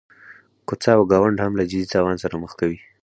کوڅه او ګاونډ هم له جدي تاوان سره مخ کوي.